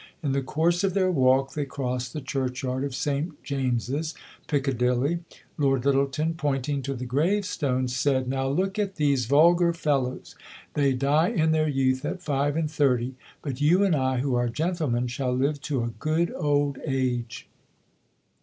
In the course of their walk they crossed the churchyard of St James's, Piccadilly. Lord Lyttelton, pointing to the gravestones, said: 'Now, look at these vulgar fellows; they die in their youth at five and thirty. But you and I, who are gentlemen, shall live to a good old age!'"